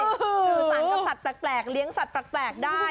สื่อสารกับสัตว์แปลกเลี้ยงสัตว์แปลกได้